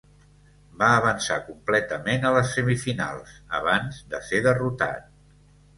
Va avançar completament a les semifinals abans de ser derrotat.